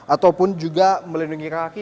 ataupun juga melindungi kaki